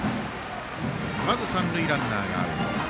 まず、三塁ランナーがアウト。